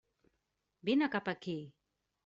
Vine cap aquí!